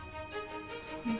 そんな。